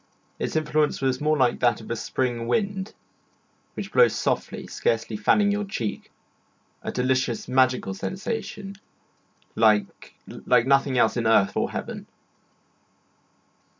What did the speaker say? Its influence was more like that of the spring wind, which blows softly, scarcely fanning your cheek, yet infusing through all your system a delicious, magical sensation like like nothing else in earth or heaven.